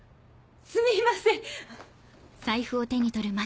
すみません。